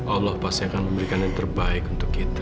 allah pasti akan memberikan yang terbaik untuk kita